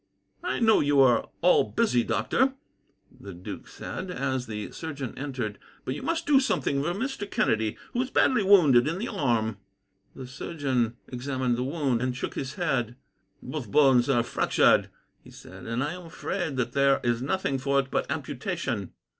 "I know you are all busy, doctor," the duke said, as the surgeon entered, "but you must do something for Mr. Kennedy, who is badly wounded in the arm." The surgeon examined the wound, and shook his head. "Both bones are fractured," he said, "and I am afraid that there is nothing for it but amputation."